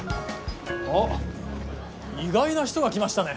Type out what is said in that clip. あっ意外な人が来ましたね。